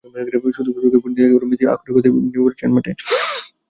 শুধু ফেসবুকে পোস্ট দিয়ে নয়, এবার মেসি আক্ষরিক অর্থেই নেমে পড়ছেন মাঠে।